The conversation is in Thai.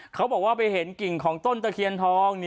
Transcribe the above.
เขาบอกว่าไปเห็นกิ่งของต้นตะเคียนทอง